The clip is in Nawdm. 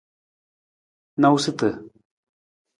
Noosutu.